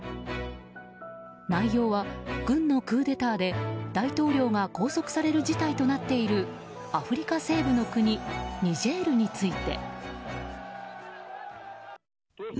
内容は、軍のクーデターで大統領が拘束される事態となっているアフリカ西部の国ニジェールについて。